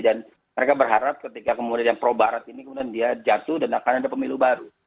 dan mereka berharap ketika kemudian yang pro barat ini kemudian dia jatuh dan akan ada pemilu baru